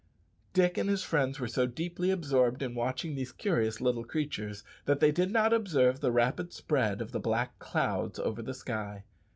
Dick and his friends were so deeply absorbed in watching these curious little creatures that they did not observe the rapid spread of the black clouds over the sky.